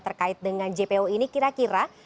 terkait dengan jpo ini kira kira